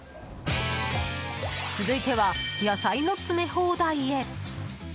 続いては野菜の詰め放題へ。